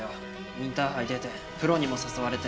インターハイ出てプロにも誘われて。